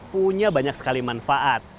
punya banyak sekali manfaat